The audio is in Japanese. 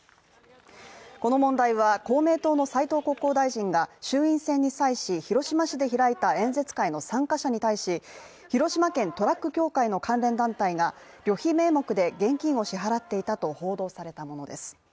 この問題は公明党の斉藤国交大臣が衆院選に際し広島市で開いた演説会の参加者に対し、広島県トラック協会の関連団体が旅費名目で現金を支払っていたと報道されたものです。